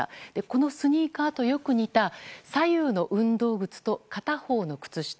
このスニーカーとよく似た左右の運動靴と片方の靴下。